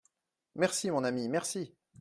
Merci, mon ami, merci !…